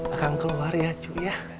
akang keluar ya cu ya